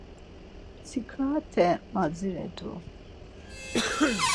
Mtsika te madziret̆u.